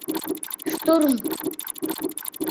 ШТУРМ